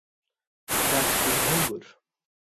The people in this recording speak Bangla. গাছটি ভঙ্গুর।